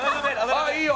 ああいいよ。